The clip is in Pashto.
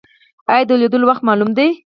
ایا د لیدلو وخت معلوم دی؟